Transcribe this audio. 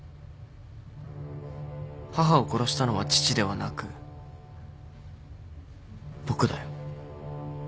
母を殺したのは父ではなく僕だよ。